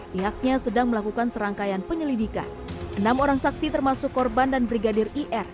pihaknya sedang melakukan serangkaian penyelidikan enam orang saksi termasuk korban dan brigadir ir